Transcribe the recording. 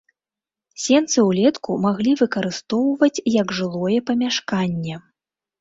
Сенцы ўлетку маглі выкарыстоўваць як жылое памяшканне.